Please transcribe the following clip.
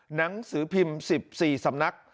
หนังสือพิมพ์๑๔สำนัก